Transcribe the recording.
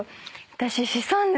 私。